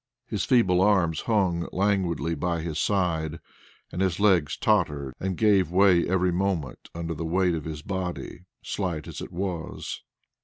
His feeble arms hung languidly by his side, and his legs tottered and gave way every moment under the weight of his body, slight as it was.